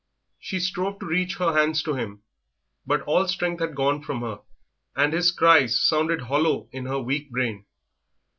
She strove to reach her hands to him, but all strength had gone from her, and his cries sounded hollow in her weak brain.